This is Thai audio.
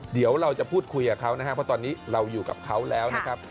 เดี๋ยวเราจะพูดคุยกับเขานะครับเพราะตอนนี้เราอยู่กับเขาแล้วนะครับ